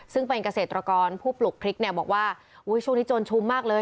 ซึ่งเป็นเกษตรกรผู้ปลูกพริกเนี่ยบอกว่าช่วงนี้โจรชุมมากเลย